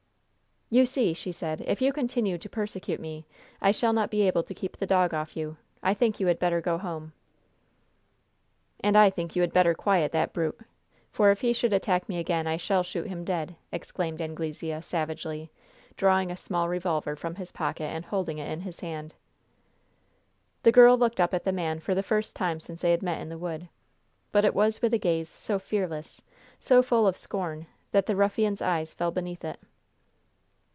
"You see," she said, "if you continue to persecute me, I shall not be able to keep the dog off you. I think you had better go home." "And I think you had better quiet that brute! For if he should attack me again, I shall shoot him dead," exclaimed Anglesea, savagely, drawing a small revolver from his pocket and holding it in his hand. The girl looked up at the man for the first time since they had met in the wood, but it was with a gaze so fearless, so full of scorn, that the ruffian's eyes fell beneath it.